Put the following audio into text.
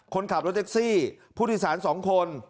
คนขับรถแท็กซี่ผู้โดยสาร๒คน